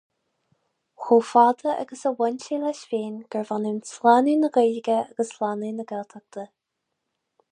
Chomh fada agus a bhain sé leis féin, gurbh ionann slánú na Gaeilge agus slánú na Gaeltachta.